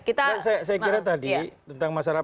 kita saya kira tadi tentang masalah